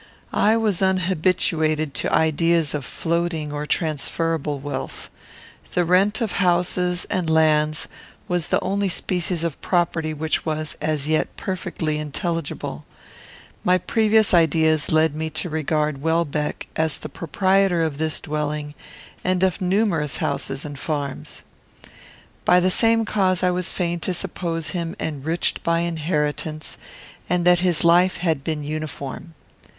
I was unhabituated to ideas of floating or transferable wealth. The rent of houses and lands was the only species of property which was, as yet, perfectly intelligible. My previous ideas led me to regard Welbeck as the proprietor of this dwelling and of numerous houses and farms. By the same cause I was fain to suppose him enriched by inheritance, and that his life had been uniform.